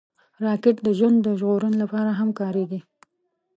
راکټ د ژوند ژغورنې لپاره هم کارېږي